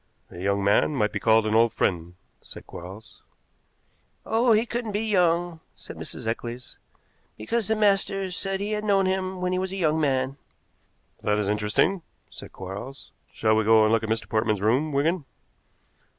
"A young man might be called an old friend," said Quarles. "Oh, he couldn't be young," said Mrs. Eccles, "because the master said he had known him when he was a young man." "That is interesting," said Quarles. "Shall we go and look at Mr. Portman's room, Wigan?"